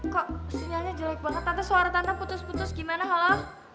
kok sinyalnya jelek banget tapi suara tanah putus putus gimana halo